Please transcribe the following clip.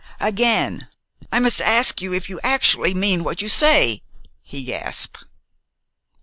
"Again I must ask you if you actually mean what you say?" he gasped.